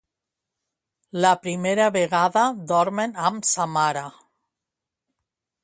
La primera vegada dormen amb sa mare.